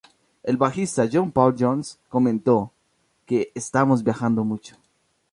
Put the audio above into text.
El bajista John Paul Jones comentó que "estábamos viajando mucho.